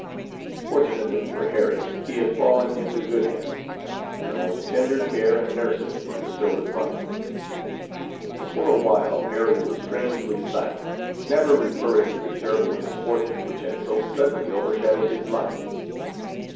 Fortunately for Harry he had fallen into good hands, and the most tender care and nursing were bestowed upon him. For awhile Harry was strangely silent, never referring to the terrible misfortune which had so suddenly overshadowed his life.